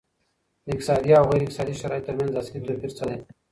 د اقتصادي او غیر اقتصادي شرایطو ترمنځ اصلي توپیر څه دی؟